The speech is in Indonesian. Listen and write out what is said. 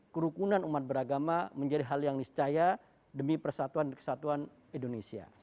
kerukunan umat beragama menjadi hal yang niscaya demi persatuan dan kesatuan indonesia